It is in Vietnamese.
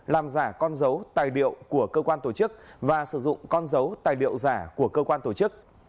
làm giả con dấu tài liệu của cơ quan tổ chức và sử dụng con dấu tài liệu giả của cơ quan tổ chức